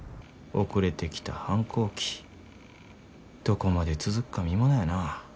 遅れてきた反抗期どこまで続くか見ものやな。